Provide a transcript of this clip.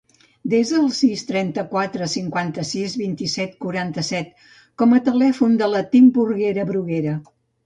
Desa el sis, trenta-quatre, cinquanta-sis, vint-i-set, quaranta-set com a telèfon de la Timburguera Bruguera.